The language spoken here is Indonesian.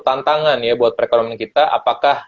tantangan ya buat perekonomian kita apakah